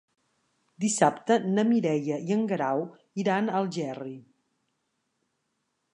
Dissabte na Mireia i en Guerau iran a Algerri.